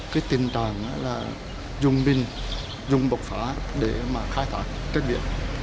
cái tình trạng là dùng binh dùng bộc phá để mà khai thác trái biển